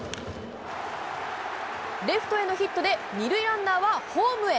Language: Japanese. レフトへのヒットで、２塁ランナーはホームへ。